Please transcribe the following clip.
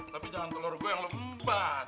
tapi jangan telur gue yang lembat